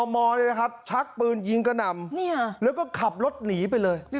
ชักปืนยิงกระหน่ำแล้วก็ขับรถหนีไปเลย